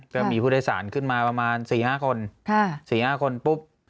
ก็มีผู้โดยสารขึ้นมาประมาณสี่ห้าคนสี่ห้าคนปุ๊บ